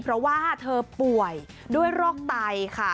เพราะว่าเธอป่วยด้วยโรคไตค่ะ